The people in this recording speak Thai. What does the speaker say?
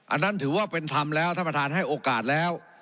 อันนั้นถือว่าเป็นธรรมแล้วท่านประธานให้โอกาสแล้ว